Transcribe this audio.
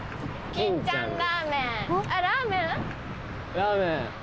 ラーメン。